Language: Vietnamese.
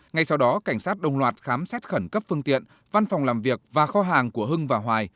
ngay sau đó cảnh sát đồng loạt khám xét khẩn cấp phương tiện văn phòng làm việc và kho hàng của hưng và hoài